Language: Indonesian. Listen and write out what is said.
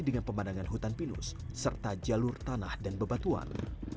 dengan pemandangan hutan pinus serta jalur tanah dan bebatuan